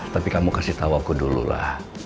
tapi kamu kasih tahu aku dulu lah